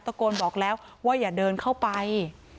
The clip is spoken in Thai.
โกนบอกแล้วว่าอย่าเดินเข้าไป